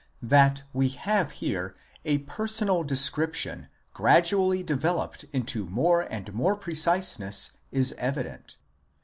That we have here a personal description gradually developed into more and more preciseness 15. evident.